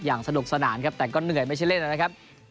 สนุกสนานครับแต่ก็เหนื่อยไม่ใช่เล่นนะครับ